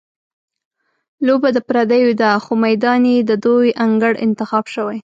لوبه د پردیو ده، خو میدان یې د دوی انګړ انتخاب شوی.